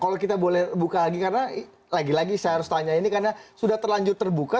kalau kita boleh buka lagi karena lagi lagi saya harus tanya ini karena sudah terlanjur terbuka